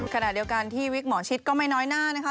ขณะเดียวกันที่วิกหมอชิดก็ไม่น้อยหน้านะคะ